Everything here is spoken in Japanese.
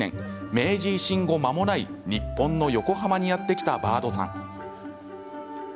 明治維新後まもない日本の横浜にやって来たバードさん。